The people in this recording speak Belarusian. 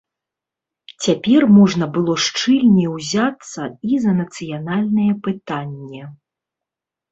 Цяпер можна было шчыльней узяцца і за нацыянальнае пытанне.